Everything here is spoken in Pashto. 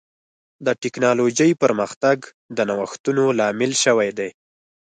د ټکنالوجۍ پرمختګ د نوښتونو لامل شوی دی.